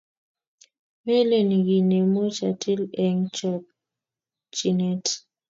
melen kiy nemuch atil eng chokchinet